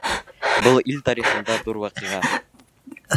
Был — ил тарихында ҙур ваҡиға.